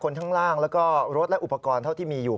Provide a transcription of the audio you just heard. ทั้งล่างแล้วก็รถและอุปกรณ์เท่าที่มีอยู่